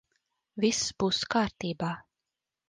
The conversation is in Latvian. Viss būs kārtībā.